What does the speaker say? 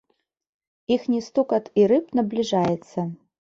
Іхні стукат і рып набліжаецца.